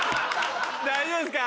大丈夫ですか？